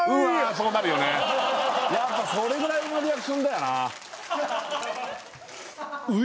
そうなるよねやっぱそれぐらいのリアクションだよな